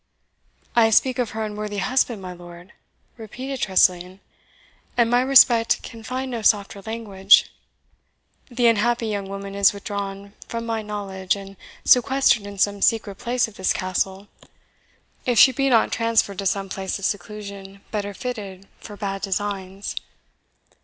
"I speak of her unworthy husband, my lord," repeated Tressilian, "and my respect can find no softer language. The unhappy young woman is withdrawn from my knowledge, and sequestered in some secret place of this Castle if she be not transferred to some place of seclusion better fitted for bad designs.